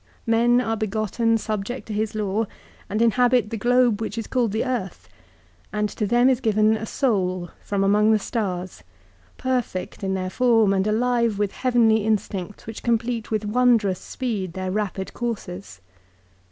Men are begotten subject to his law, and inhabit the globe which is called the earth ; and to them is given a soul from among the stars, perfect in their form and alive with heavenly instincts, which complete with wondrous speed their rapid courses.